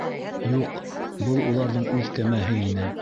Юҡ, был уларҙың үҙ кәмәһе ине.